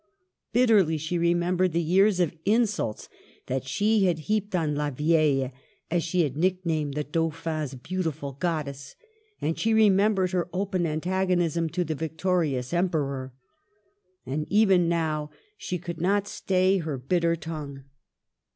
Bitterly she remembered the years of insults that she had heaped on " La Vieille," as she had nicknamed the Dau phin's beautiful goddess, and she remembered her open antagonism to the victorious Em peror. And even now she could not stay her bitter tongue.